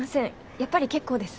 やっぱり結構です。